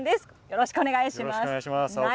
よろしくお願いします。